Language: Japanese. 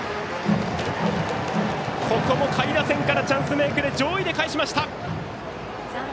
ここも下位打線からチャンスメークで上位でかえしました。